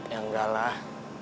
ya enggak lah